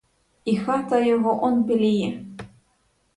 І хата його он біліє!